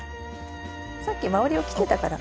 さっき周りを切ってたから。